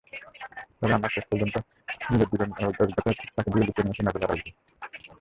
তবে আবার শেষ পর্যন্ত নিজের জীবনাভিজ্ঞতাই তাঁকে দিয়ে লিখিয়ে নিয়েছে নভেলাগুলো।